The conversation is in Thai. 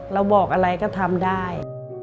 เราบอกอะไรก็ทำได้